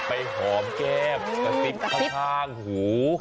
หอมแก้มกระซิบข้างหู